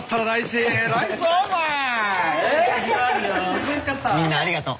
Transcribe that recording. みんなありがとう！